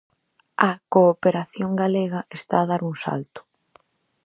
A cooperación galega está a dar un salto.